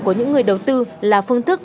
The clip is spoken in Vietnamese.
của những người đầu tư là phương thức